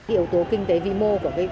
yếu tố kinh tế vi mô của